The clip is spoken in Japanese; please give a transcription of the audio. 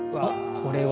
これは。